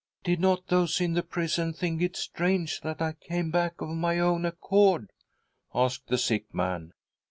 .■" Did not those in the prison think it strange that I came back of my own accord ?" asked the sick man.